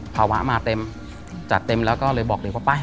ภาวะมาเต็มจัดเต็มแล้วก็เลยบอกเดี๋ยวก็ไป